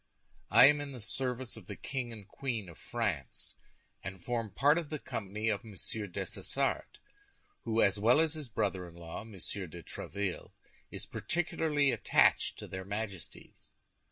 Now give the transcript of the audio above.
I am in the service of the King and Queen of France, and form part of the company of Monsieur Dessessart, who, as well as his brother in law, Monsieur de Tréville, is particularly attached to their Majesties.